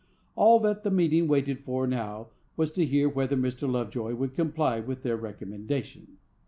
All that the meeting waited for now was, to hear whether Mr. Lovejoy would comply with their recommendation.